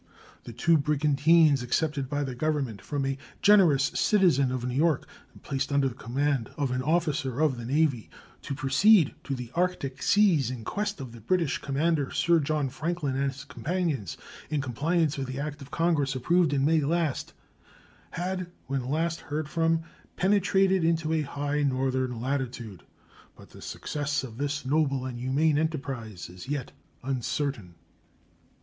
The two brigantines accepted by the Government from a generous citizen of New York and placed under the command of an officer of the Navy to proceed to the Arctic Seas in quest of the British commander Sir John Franklin and his companions, in compliance with the act of Congress approved in May last, had when last heard from penetrated into a high northern latitude; but the success of this noble and humane enterprise is yet uncertain.